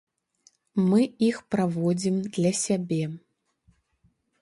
Мы іх праводзім для сябе.